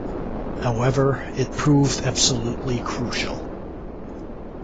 However, it proved absolutely crucial.